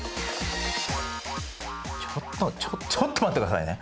ちょっとちょっと待ってくださいね。